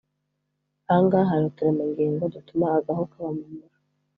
Ahangaha hari uturemangingo dutuma agahu kaba mu mura